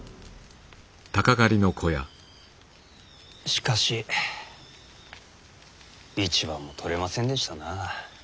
しかし一羽も取れませんでしたなあ。